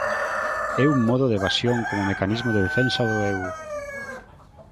É un modo de evasión como mecanismo de defensa do eu.